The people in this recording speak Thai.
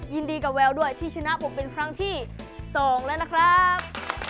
ยินดีกับแววด้วยที่ชนะผมเป็นครั้งที่๒แล้วนะครับ